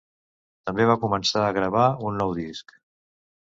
També va començar a gravar un nou disc.